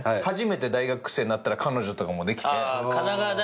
初めて大学生になったら彼女とかもできて。